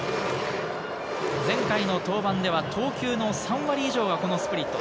前回の登板では投球の３割以上がこのスプリット。